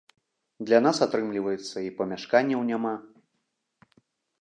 Для нас, атрымліваецца, і памяшканняў няма.